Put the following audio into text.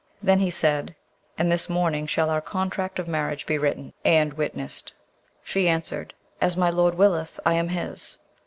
Then he said, 'And this morning shall our contract of marriage be written and witnessed?' She answered, 'As my lord willeth; I am his.'